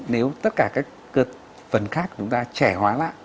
nếu tất cả các phần khác của chúng ta trẻ hóa lại